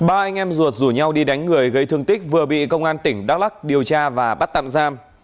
ba anh em ruột rủ nhau đi đánh người gây thương tích vừa bị công an tỉnh đắk lắc điều tra và bắt tạm giam